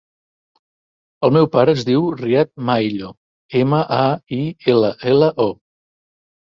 El meu pare es diu Riad Maillo: ema, a, i, ela, ela, o.